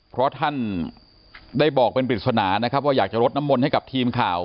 เพราะท่านได้บอกเป็นปริศนานะครับว่าอยากจะรดน้ำมนต์ให้กับทีมข่าว